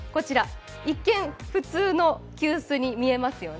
一見、普通の急須に見えますよね。